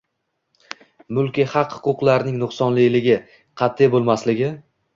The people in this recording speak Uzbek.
Mulkiy haq-huquqlarning nuqsonliligi, qat’iy bo‘lmasligi